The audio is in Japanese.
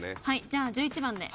じゃあ１１番で。